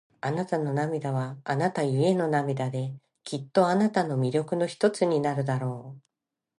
あなたの涙は、あなたゆえの涙で、きっとあなたの魅力の一つになるだろう。